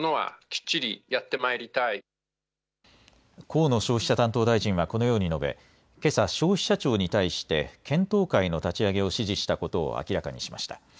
河野消費者担当大臣はこのように述べ、けさ、消費者庁に対して検討会の立ち上げを指示したことを明らかにしました。